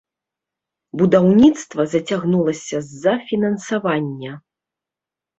Будаўніцтва зацягнулася з-за фінансавання.